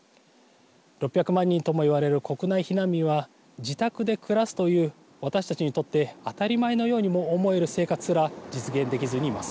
６００万人とも言われる国内避難民は自宅で暮らすという私たちにとって当たり前のようにも思える生活すら実現できずにいます。